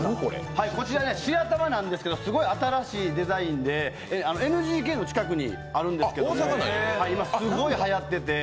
こちら、白玉なんですけどすごい新しいデザインでＮＧＫの近くにあるんですけど、今すごいはやってて。